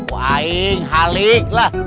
wah inghalik lah